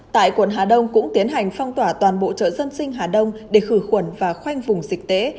tại quận hà đông cũng tiến hành phong tỏa toàn bộ chợ dân sinh hà đông để khử khuẩn và khoanh vùng dịch tế